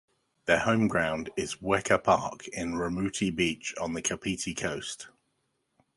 Their home ground is Weka Park in Raumati Beach on the Kapiti Coast.